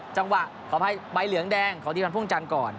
จังหวะขอให้ไปเหลืองแดงของทีพันธ์พ่วงจันก่อน